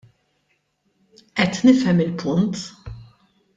Qed nifhem il-punt.